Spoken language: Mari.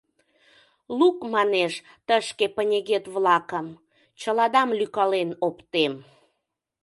Лук, манеш, тышке пынегет-влакым — чыладам лӱйкален оптем.